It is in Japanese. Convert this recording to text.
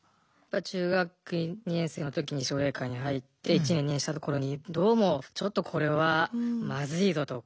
中学２年生の時に奨励会に入って１年２年したところどうもちょっとこれはまずいぞと。